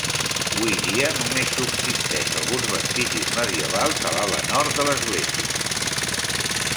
Hui dia només subsisteix alguns vestigis medievals a l'ala nord de l'església.